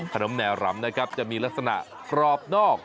แหมแนวรำนะครับจะมีลักษณะกรอบนอก